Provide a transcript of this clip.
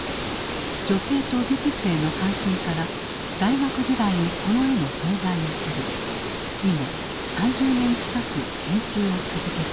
女性と美術への関心から大学時代にこの絵の存在を知り以後３０年近く研究を続けてきた。